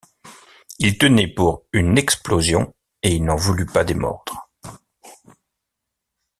Il tenait pour « une explosion », et il n’en voulut pas démordre.